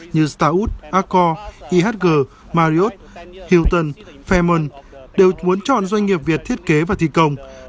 như stout accor ihg marriott hilton fairmont đều muốn chọn doanh nghiệp việt thiết kế và thi công